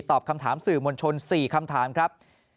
ตอบคำถามสื่อมวลชน๔คำถามครับ